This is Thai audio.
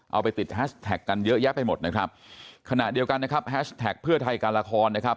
เอาไปติดแฮชแท็กกันเยอะแยะไปหมดนะครับขณะเดียวกันนะครับแฮชแท็กเพื่อไทยการละครนะครับ